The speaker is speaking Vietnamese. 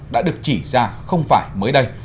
đã được chỉ ra không phải mới đây